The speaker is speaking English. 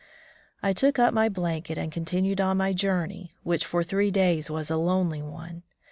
I took up my blanket and continued on my journey, which for three days was a lonely one.